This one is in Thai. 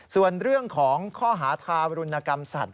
ส่วนเรื่องของข้อหาทารุณกรรมสัตว